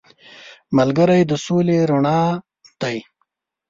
ملګری د سولې رڼا دی